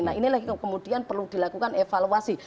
nah ini lagi kemudian perlu dilakukan evaluasi